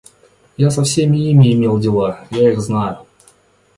Я со всеми ими имел дела, я их знаю.